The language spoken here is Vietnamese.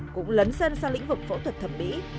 cũng lấn dân sang lĩnh vực phẫu thuật thẩm mỹ